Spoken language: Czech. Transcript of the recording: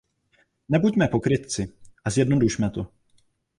Nebuďme pokrytci a zjednodušme to.